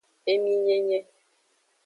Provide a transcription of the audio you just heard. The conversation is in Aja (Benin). Eminyenye.